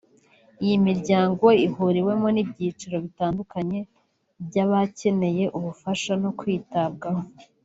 Iyi miryango ihuriwemo n’ibyiciro bitandukanye by’abakeneye ubufasha no kwitabwaho